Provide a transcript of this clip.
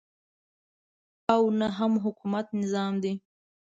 او نه هم حکومت نظام دی.